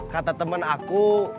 kata temen aku